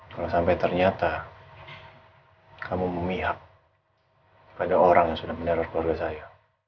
kalau sampai ternyata kamu memihak pada orang yang sudah meneror keluarga saya